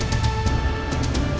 dia memang omonya rena